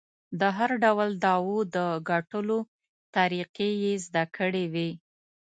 د هر ډول دعوو د ګټلو طریقې یې زده کړې وې.